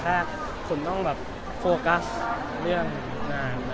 แค่ขุนต้องบินไปเรียนอังกฤษ